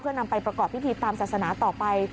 นำไปประกอบพิธีตามศาสนาต่อไป